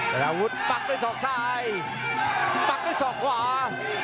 แต่อาวุธปักด้วยศอกซ้ายปักด้วยศอกขวา